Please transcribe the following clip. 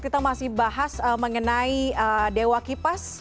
kita masih bahas mengenai dewa kipas versus gopal